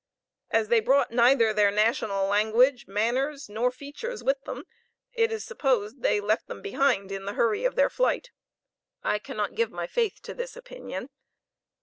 As they brought neither their national language, manners, nor features with them it is supposed they left them behind in the hurry of their flight. I cannot give my faith to this opinion.